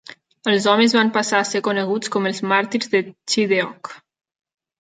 Els homes van passar a ser coneguts com els màrtirs de Chideock.